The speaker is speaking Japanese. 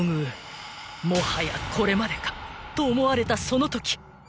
［もはやこれまでかと思われたそのとき］